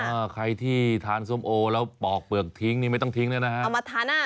ออใครที่ทานส้มโอแล้วปอกเปลือกทิ้งนี่ไม่ต้องทิ้งด้วยนะฮะ